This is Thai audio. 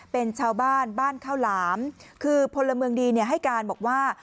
เป็นชาวบ้านบ้านข้าวหลามคือพลเมืองดีให้การบอกว่า